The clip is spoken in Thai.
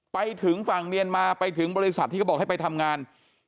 ไปถึงฝั่งเมียนมาไปถึงบริษัทที่เขาบอกให้ไปทำงาน